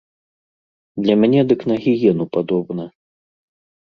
Для мяне дык на гіену падобна.